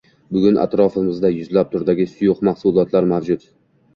Bugun atrofimizda yuzlab turdagi suyuq mahsulotlar mavjud.